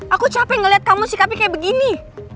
aku capek ngeliat kamu sikapnya kayak begini